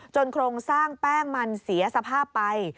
โครงสร้างแป้งมันเสียสภาพไป